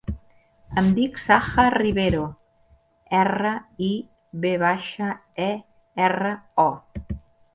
Em dic Saja Rivero: erra, i, ve baixa, e, erra, o.